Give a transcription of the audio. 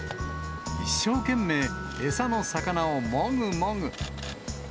一生懸命、餌の魚をもぐもぐ。